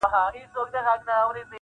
زه به د پنجاب د ړنګېدلو زېری درکمه-